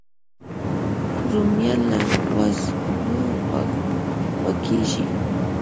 رومیان له وازګو پاکېږي